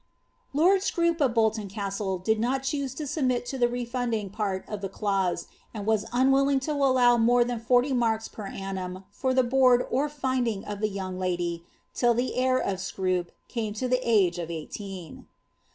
Lord Scroop of Bolton Castle did not choose to submit to the refhiid ing part of the clause, and was unwilling to allow more than forty maib per annum for the board or finding of the young lady till the heir of Scroop came to the age of eighteen.